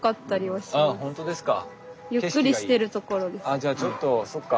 あじゃあちょっとそっか。